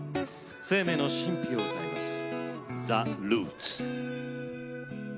生命の神秘を歌います。